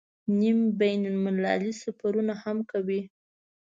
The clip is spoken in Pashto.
نیم بین المللي سفرونه هم کوي.